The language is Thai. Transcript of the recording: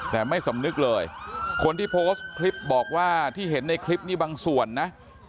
แต่ไม่สำนึกเลยคนที่โพสต์คลิปบอกว่าที่เห็นในคลิปนี้บางส่วนนะ